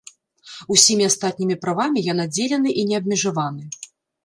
Усімі астатнімі правамі я надзелены і неабмежаваны.